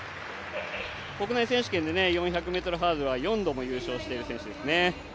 国内選手権で４００ｍハードルは４度も優勝してる選手ですね。